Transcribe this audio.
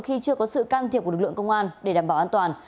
khi chưa có sự can thiệp của lực lượng công an để đảm bảo an toàn